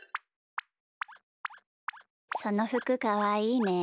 そのふくかわいいね。